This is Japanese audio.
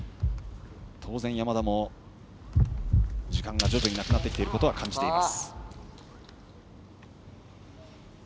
当然、山田も時間が徐々になくなってきていることは感じています。